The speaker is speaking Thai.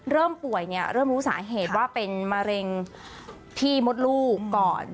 เริ่มป่วยเนี่ยเริ่มรู้สาเหตุว่าเป็นมะเร็งที่มดลูกก่อน